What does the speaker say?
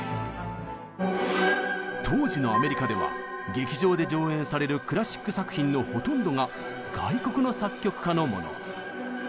当時のアメリカでは劇場で上演されるクラシック作品のほとんどが外国の作曲家のもの。